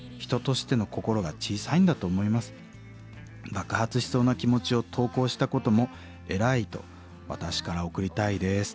爆発しそうな気持ちを投稿したことも偉いと私から送りたいです」と。